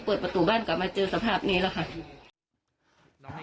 เปิดประตูบ้านกลับมาเจอสภาพนี้แล้วค่ะ